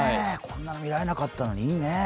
こんなの見られなかったのに、いいね。